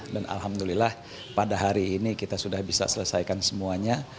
dan alhamdulillah pada hari ini kita sudah bisa selesaikan semuanya